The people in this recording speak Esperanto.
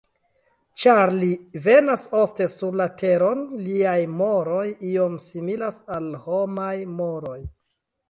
Ĉar li venas ofte sur la Teron, liaj moroj iom similas al homaj moroj.